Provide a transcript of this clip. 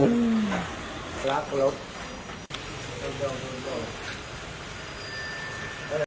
ไม่เห็นที่ไม่จากกับผมทีก็นั่นแหละ